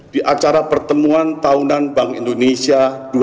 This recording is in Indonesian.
di acara pertemuan tahunan bank indonesia dua ribu dua puluh